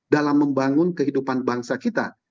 dalam membangun kehidupan bangsa kita